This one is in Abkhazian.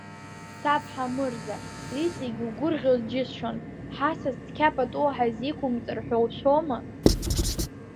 Саб, Ҳамырза, иҵегь угурӷьоз џьысшьон, ҳасас цқьа пату ҳазиқумҵар ҳәа ушәама?